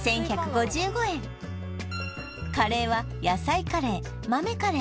カレーは野菜カレー豆カレー